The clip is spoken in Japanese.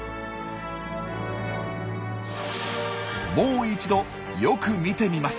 もう一度よく見てみます。